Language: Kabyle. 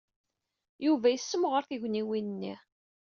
Yuba yessemɣer tugniwin-nni.